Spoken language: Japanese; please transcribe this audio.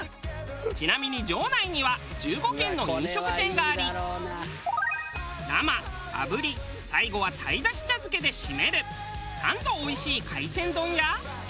ちなみに場内には１５軒の飲食店があり生炙り最後は鯛出汁茶漬けで締める３度おいしい海鮮丼や。